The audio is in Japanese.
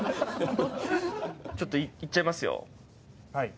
ちょっといっちゃいますよ。